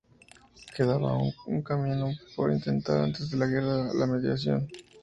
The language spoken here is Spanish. Quedaba aún un camino por intentar antes de la guerra: la mediación.